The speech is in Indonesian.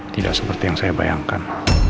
tidak seperti yang saya bayangkan